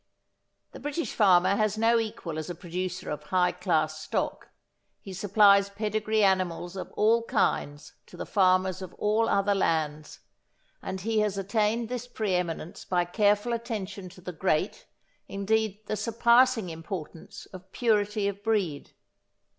The British farmer has no equal as a producer of high class stock. He supplies pedigree animals of all kinds to the farmers of all other lands, and he has attained this preeminence by careful attention to the great, indeed the surpassing, importance of purity of breed.